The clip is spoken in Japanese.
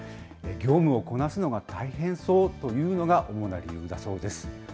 業務をこなすのが大変そうというのが主な理由だそうです。